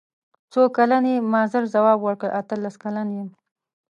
څو کلن یې ما ژر ځواب ورکړ اتلس کلن یم.